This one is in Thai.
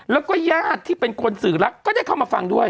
แล้วก็ญาติที่เป็นคนสื่อรักก็ได้เข้ามาฟังด้วย